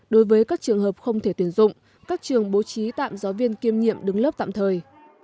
đối với các trường hợp không thể tuyển dụng các trường bố trí tạm giáo viên kiêm nhiệm đứng lớp tạm thời